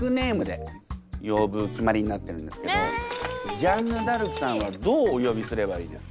ジャンヌ・ダルクさんはどうお呼びすればいいですか？